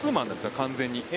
完全に。